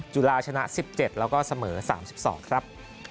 จุฬาชนะ๑๗แล้วก็เสมอ๓๒ครับ